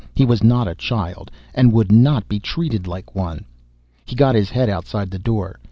He was not a child, and would not be treated like one He got his head outside the door.